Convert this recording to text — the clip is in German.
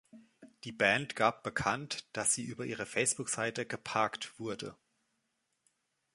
Die Band gab bekannt, dass sie über ihre Facebook-Seite "geparkt" wurde.